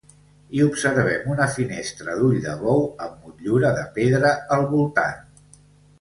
Hi observem una finestra d'ull de bou amb motllura de pedra al voltant.